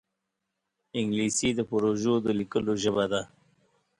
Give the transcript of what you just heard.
انګلیسي د پروژو د لیکلو ژبه ده